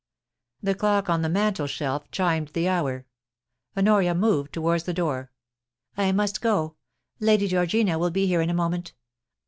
The clock on the mantelshelf chimed the hour. Honoria moved towards the door. * I must go. Lady Georgina will be here in a moment.